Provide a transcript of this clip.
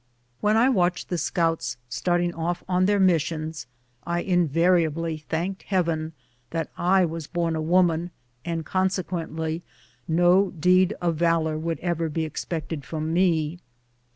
When I watched the scouts starting off on their missions, I invariably thanked Heav en that I was born a woman, and consequently no deed of valor would ever be expected from me.